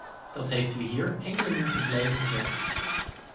Dat heeft u hier enkele minuten geleden gezegd.